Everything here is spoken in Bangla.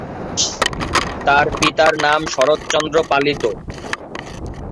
তার পিতার নাম শরৎচন্দ্র পালিত।